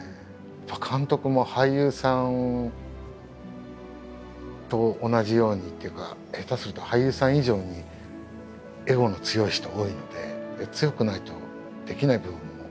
監督も俳優さんと同じようにっていうか下手すると俳優さん以上に強くないとできない部分もありますし。